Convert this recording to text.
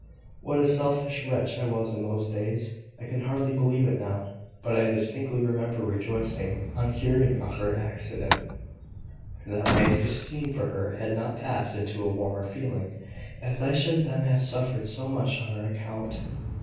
What a selfish wretch I was in those days! I can hardly believe it now; but I distinctly remember rejoicing, on hearing of her accident, that my esteem for her had not passed into a warmer feeling, as I should then have suffered so much on her account."